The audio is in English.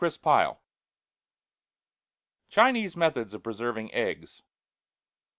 CHINESE METHODS OF PRESERVING EGGS.